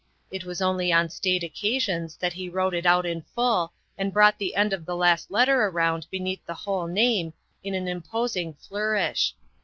It was only on state occa sions that he wrote it out in full and brought the end of the last letter around beneath the whole name in an imposing flourish.